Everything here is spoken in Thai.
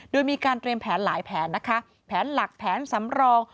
โดยมีการเตรียมแผนหลายแผนนะคะแผนหลักแผนสำรอง